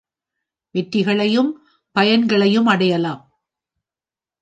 வெற்றிகளையும் பயன்களையும் அடையலாம்.